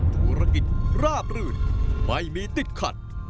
ธุรกิจราบรื่นไม่มีติดขัด